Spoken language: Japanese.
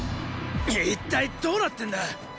一体どうなってんだ？